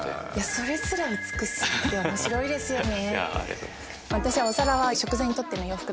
それすら美しいって面白いですよね